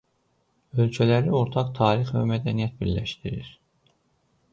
Ölkələri ortaq tarix və mədəniyyət birləşdirir.